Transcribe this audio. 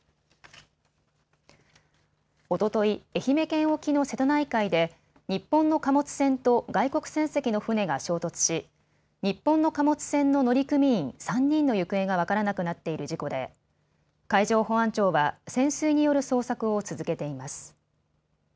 おととい、愛媛県沖の瀬戸内海で日本の貨物船と外国船籍の船が衝突し日本の貨物船の乗組員３人の行方が分からなくなっている事故で海上保安庁は潜水による捜索を続けています。